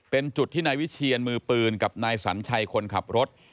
เป็นจุดที่นายวิเชียนมือปืนกับนายสัญชัยคนขับรถ